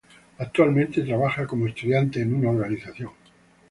Actualmente trabaja como estudiante en una organización